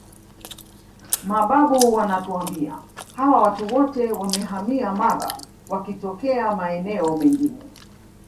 Mababu wanatuambia hawa watu wote wamehamia Mara wakitokea maeneo mengine